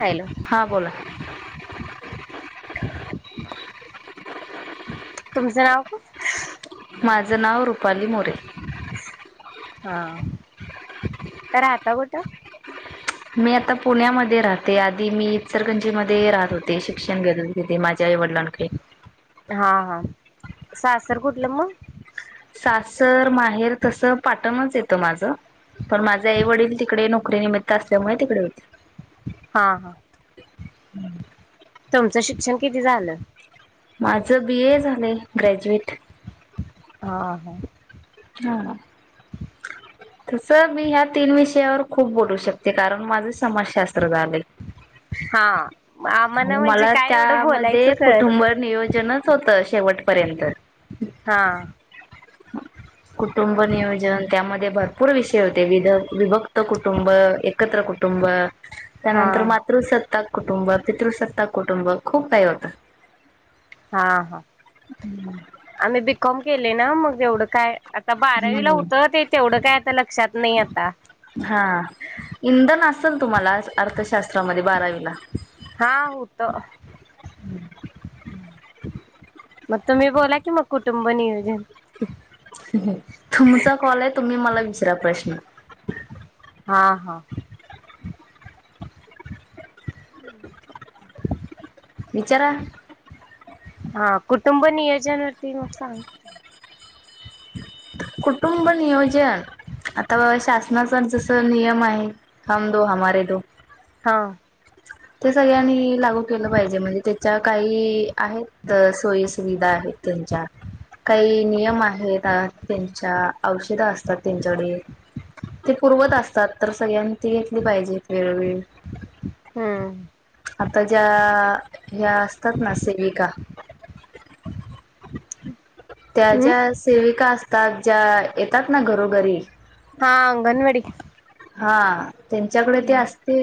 काय झालं हां बोला तुमचं नाव का माझं नाव रुपाली मोरे हा तर राहता कुठं मी आता पुण्यामध्ये राहते आधी मी इचलकरंजी मध्ये राहत होते शिक्षण घेत घेते माझ जय वडलां ख हा हा सासर कुठलं मग सासर माहेर तसं पाटणच येतं माझं पण माझे आई वडील तिकडे नोकरी निमित्त असल्यामुळे तिकडे हा हा हम् तुमचं शिक्षण किती झालं माझं बी ए झालंय ग्रॅज्युएट हा हा हा तस मी ह्या तीन विषयावर खूप बोलू शकते कारण माझे समाजशास्त्र झालय हा आणि आम्हाला म्हणजे मला काय एवढं बोलायचं त्यामध्ये कळत नाही कुटुंब नियोजनच होतं शेवटपर्यंत हा ‌ [inaudible] कुटुंब नियोजन त्यामध्ये भरपूर विषय होते वि विभक्त कुटुंब एकत्र कुटुंब हा त्यानंतर मातृसत्ताक कुटुंब पितृसत्ताक कुटुंब खूप काही होतं हा हा आम्ही बीकॉम केले ना मग एवढं काय आता बारावीला हम्म. होतं ते तेवढं काय आता लक्षात नाही आता हा इंधन असेल ना तुम्हाला अर्थशास्त्रामध्ये बारावीला हा होत हम्म मग तुम्ही बोला कि मग कुटुंब नियोजन तुमचा कॉल आहे तुम्ही मला विसरा प्रश्न हा हा विचारा हा कुटुंब नियोजनावरती मग सांग कुटुंब नियोजन. आता बाबा शासनाचा जस नियम आहे हम दो हमारे दो. हा. ते सगळ्यांनी लागू केलं पाहिजे म्हणजे त्याच्या काही आहेत त सोयी सुुविधा आहेत त्यांच्या काही नियम आहेत त्यांच्या औषध असतात त्यांच्याकडे ते पूर्वत असतात तर सगळ्यांनी ती घेतली पाहिजे वेळोवेळी हम्म आता ज्या ह्या असतात ना सेविका. त्या हम्म ज्या सेविका असतात ज्या येतात ना घरोघरी. हा अंगनवाडी. हा त्यांच्याकडे ते असते.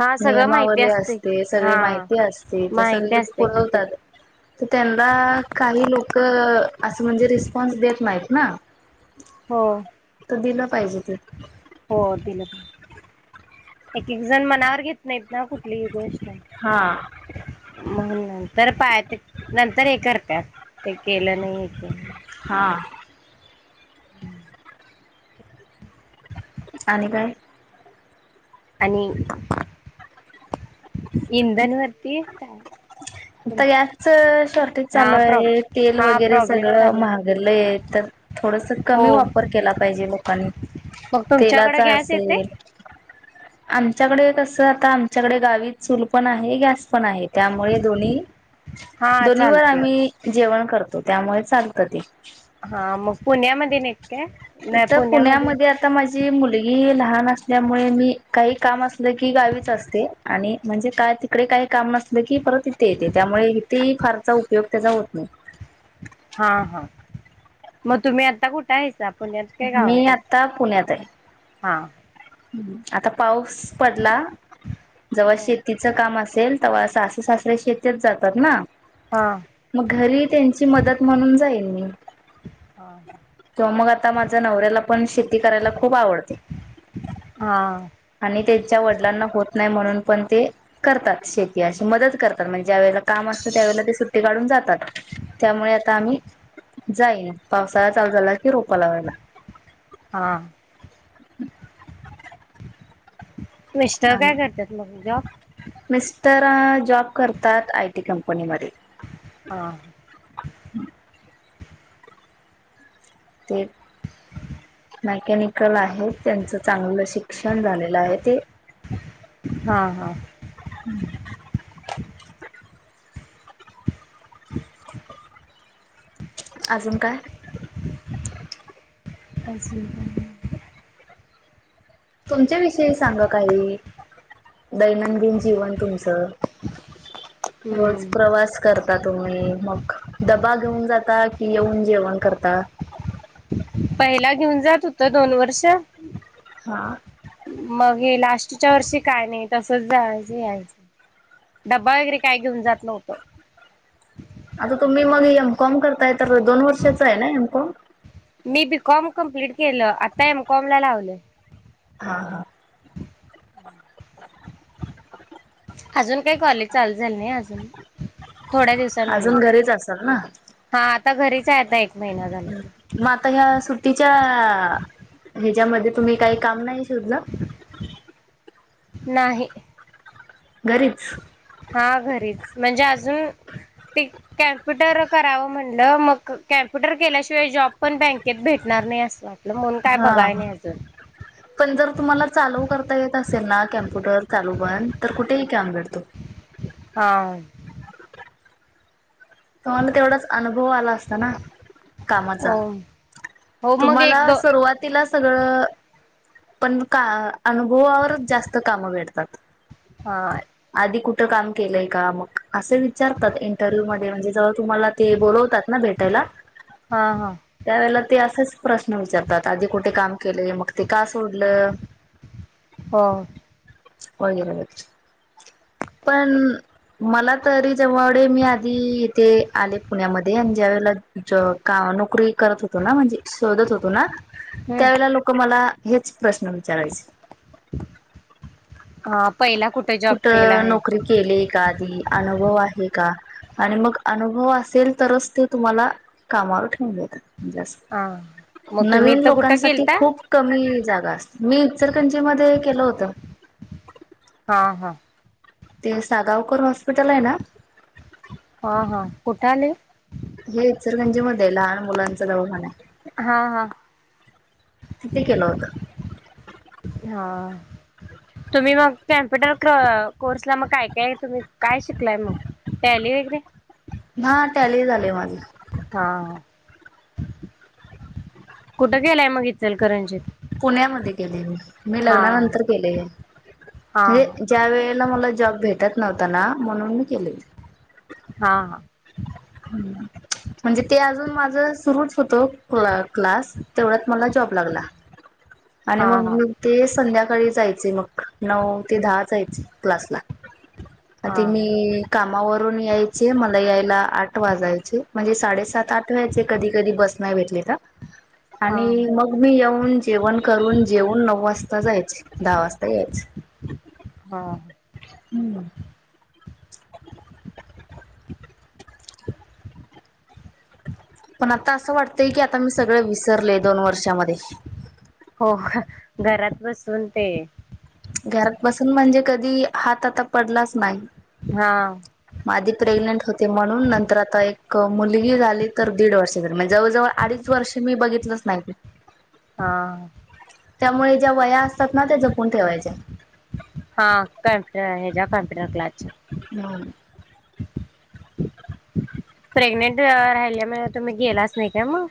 हा सगळं माहिती नियमावली असते सगळी हा माहिती असते ते माहिती सगळे असते की पुरवतात. तर त्यांना काही लोक. असं म्हणजे रिस्पॉन्स देत नाहीत ना. हो. तर दिलं पाहिजे ते. हो दिलं प एक एक जण मनावर घेत नाहीत ना कुठलीही गोष्ट. हां. मग नंतर पाय ते नंतर हे करत्यात ते केलं नाही. हां. हम्म. आणि काय. आणि इंधन वरती काय. ता गॅसच शॉर्टेज चालू आहे तेल हा वगैरे प्रॉब्लेम सगळं चालू महागलं आहे तर. थोडस कमी हो वापर केला पाहिजे लोकांनी मग तुमच्याकडे तेलाचा गॅस येते असेल. आमच्याकडे कसं आता आमच्याकडे गावी चूल पण आहे गॅस पण आहे. त्यामुळे. दो् हा दोन्ही वर चालते आम्ही जेवण करतो त्यामुळे चालत ते. हा मग पुण्यामध्ये नाहीत काय? इथं पुण्यामध्ये आता माझी मुलगी लहान असल्यामुळे मी काही काम असलं की गावीच असते. आणि म्हणजे काय तिकडे काही काम नसलं की परत तिथे येते त्यामुळे इथेही फारचा उपयोग त्याचा होत नाही. हा हा मग तुम्ही आता कुठ कायसा पुण्यात काय मी गावातच आता हा. ह् आता पाऊस पडला जवळ हो. शेती काम असेल तर सासु सासरे शेतीेत जातात ना. हा मग घरी त्यांची मदत म्हणून जाईल मी हा. तवा मग आता माझ्या नवऱ्याला पण शेती करायला खूप आवडते. हा. आणि त्यांच्या वडिलांना होत नाही म्हणून पण ते करतात शेती अशी मदत करतात म्हणजे ज्यावेेळेला काम असतं त्यावेेळेला ते सुट्टी काढून जातात. त्यामुळे आता आम्ही जाईन पावसाळा चालू झाला कि रोपा लावायला. हा. मिस्टर आणि काय करतात मग जॉब. मिस्टर जॉब करतात आय टी कंपनीमध्ये. हां. ते. मॅकॅनिकल आहेत त्यांच चांगलं शिक्षण झाले. आहे ते. हा हा. अजून काय? अजून काय नाही. तुमच्या विषयी सांगा काही. दैनंदिन जीवन तुमचं रोज हम्म प्रवास करता तुम्ही मग डबा घेऊन जाता की येऊन जेवण करता. पहिला घेऊन जात होत दोन वर्ष. हा. मग हे लास्टच्या वर्षी काय नाही तसच जायच यायचं. ड्बा वगैरे काय घेऊन जात नव्हतो. आता तुम्ही मग एमकॉम करताय तर दोन वर्षाच आहे ना एमकॉम. मी बीकॉम कम्प्लीट केलं आता एमकॉम ला लावलंय. हा हा. अजून काही कॉलेज चाल झाल नाही अजून थोड्या दिवस अजून घरीच असाल ना हा आता घरीच आहे आता एक महिना झाला हम्म मग आता ह्या सु्टीच्या ह्याच्यामध्ये तुम्ही काही काम नाही शोधलं नाही घरीच हा घरीच म्हणजे अजून प कॅम्प्युटर करावं म्हटलं मग कॅम्प्युटर केल्याशिवाय जॉब पण बँकेत भेटणार नाही असं वाटत आपलं मून काय हा बघाय नाही अजून पण जर तुम्हाला चालू करता येत असेल ना कम्प्युटर चालू बन तर कुठेही काम भेटतो हा तुम्हाला तेवढाच अनुभव आला असता ना कामाचा हो हो मग तुम्हाला एक दो सुरवात तिला सगळं पण का अनुभवावर जास्त कामं भेटतात हा आधी कुठं काम केलंय का मग असे विचारतात इंटरव्ह्यूध्ये म्हणजे जेव्हा तुम्हाला ते बोलवतात ना भेटायला हा हा त्यावेेळेला ते असेच प्रश्न विचारतात आधी कुठे काम केले मग ते का सोडलं हो हो ग पण मला तरी जववडे मी आधी इथे आले पुण्यामध्ये आणि ज्यावेळेला ज का नोकरी करत होतो ना म्हणजे शोधत होतो ना हम् त्यावेळे लोक मला हेच प्रश्न विचारायचे हा पहिला कुठे जॉब केला कुठं आहे नोकरी केले का आधी अनुभव आहे का आणि मग अनुभव असेल तरच ते तुम्हाला कामावर ठेवून हा देतात मग तुम्ही नवीन इथं कुठं लोकांसाठी गेलता खूप कमी जागा अस मी इचलकरंजीध्ये केलं होतं हा हा ते सागावकर हॉस्पिटल आहे ना हा हा कुठेले हे इचलकरंजी मध्ये लहान मुलांच दवखाान आहे हा हा तिथे केलं होतं हा तुम्ही मग कॉम्प्युटर कोर्स ला मग काय काय तुम्ही काय शिकलाय मग टॅले वगैरे. हा कॅरी झालंय माझं. हा,, कुठं गेलाय मग इचल करंजीत. पुण्यामध्ये गेले म मी लग्नानंतर केले आहे हा म्हणजे ज्या वेळेला मला जॉब भेटत नव्हता ना म्हणून मी केलेली हा हा म्हणजे ते अजून माझ सुरुच होतं क् क्लास तेवढ्याच मला जॉब लागला [inaudible] आणि मग हा ते संध्याकाळी जायचे मग,, नऊ ते दहा, जायचे क्लासला. हा आधी मी कामावरून यायचे,, मला यायला आठ वाजायचे,, म्हणजे साडेसातऽ आठ वायचे कधी कधी बस नाही भेटली तर. हा हा आणि मग मी येऊन, जेवण करून, जेवून नऊ वाजता जायच, दहा वाजता यायच. हा, हम्म [unintelligible] पण आता, असं वाटतंय की, आता मी सगळं विसरलेय, दोन वर्षामध्ये. हो का घरात बसून ते घरात बसून म्हणजे कधी, हात आता पडलाच नाही. हा म आधी प्रेग्नेंट होते म्हणून, नंतर आता एक मुलगी झाली, तर दीड वर्षतरी म्हणजे जवळजवळ अडीच वर्ष मी बघितलंच नाही हा त्यामुळे ज्या व्हया असतात ना त्या जपून ठेवायच्या. हा कम्पुटर हेच्या कम्प्युटर क्लासच्या. हो. [unintelligible] प्रेग्नेंट राहिल्यामुळे तुम्ही गेलाच नाही काय मग?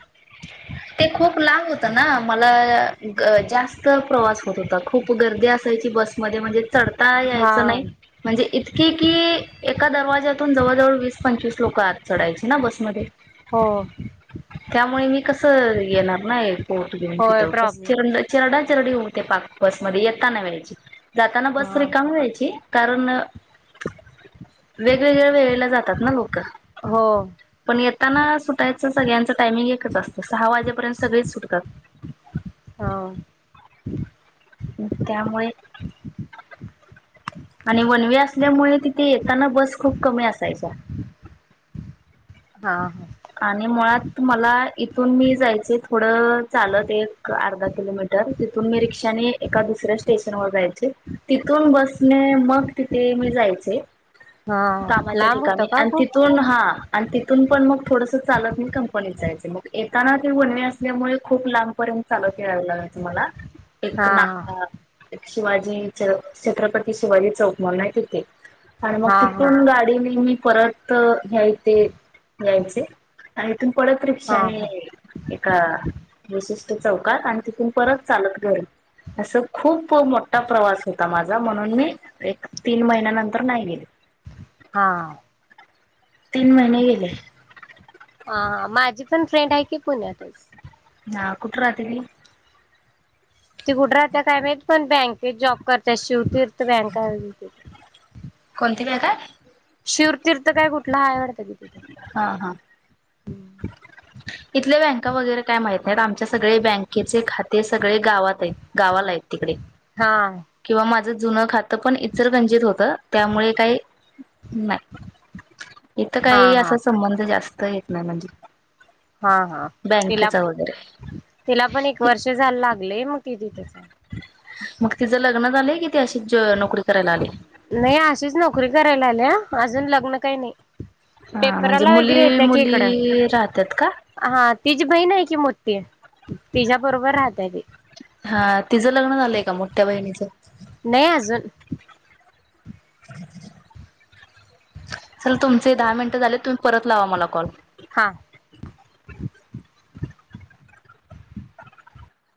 ते खूप लांब होतं ना, मला जास्त प्रवास होत होता, खूप गर्दी असायची बस मध्ये, म्हणजे चढता हा यायचं नाही. म्हणजे इतकी, कि एका दरवाज्यातून जवळजवळ वीस पंचवीस लोकं, आत चढायची ना बसमध्ये. हो त्यामुळे मी कस येणार ना पोट घेऊन होय तिथं कस प्रॉब्लेम चिरड चिरडा चरडी होते पाक, बसमध्ये येताना व्हायची, जाताना बस हा रिकामी व्हायची. कारण वेगवेगळ्या वेळेला जातात ना लोकं हो पण, येताना सुटायचं सगळ्यांचं टायमिंग एकच असतं सहा वाजेपर्यंत सगळेच सुटतात. हा त्यामुळे आणि वनवे असल्यामुळे, तिथे येताना बस खूप कमी असायच्या हा हा आणि मुळात मला, इथून मी जायचे थोडं चालत एक अर्धा किलोमीटर. तिथून मी रिक्षाने, एका दुसऱ्या स्टेशन वर जायचे. तिथून बसणे मग तिथे मी जायचे. हा कामाच्या लांब होतं ठिकाणी का आणि खूप तिथून हा आणि तिथून पण मग थोडंसं चालत मी कंपनीत जायचे मग येताना ते वनवे असल्यामुळे खूप लांबपर्यंत चालत यावं लागायचं मला [inaudible] एक ना शिवाजी च छत्रपती शिवाजी चौक म्हणून हाय तिथे आणि मग हा हा तिथून गाडीने मी परत घ्यायचे यायचे. आणि इथून परत हा रिक्षाने हा एका विशिष्ट चौकात आणि तिथून परत चालत घरी असं खूप मोठा प्रवास होता माझा म्हणून मी एक तीन महिन्यानंतर नाही गेले हा तीन महिने गेले. हा हा माझी पण फ्रेंड आहे की पुण्यातच. हा कुठं राहते ती? ती कुठे राहते काय माहित पण बँकेत जॉब करत्या शिवतीर्थ बँक हाय तिथं कोणती बँक हाय? शिवतीर्थ काय कुठलं हाय वाटतं की तिथं हा हा इथल्या बँका वगैरे काय माहित नाहीत आमच्या सगळे बँकेचे खाते सगळे गावात आहेत गावाला आहेत तिकडे हा किंवा माझं जुनं खातं पण इचलकरंजीत होतं त्यामुळे काही नाही इथं काही हा हा असा संबंध जास्त येत नाही म्हणजे हा हा तिला बँकेचा वगैरे तिला पण एक वर्ष जायला लागलंय मग किती तस मग तिचं लग्न झालंय की ती अशीच नोकरी करायला आली नाही अशीच नोकरी करायला आल्या अजून लग्न काही नाही हा म्हणजे पेपराला मुली वगैरे येत्या की मुली इकडं. राहतात का हा तिचीी बहीण आहे की मोती तिच्या्या बरोबर राहतय ती हा तिझं लग्न झालंय का मोठ्या बहिणीचं नाही अजून चल तुमचे दहा मिनट झाले तुम्ही परत लावा मला कॉल हा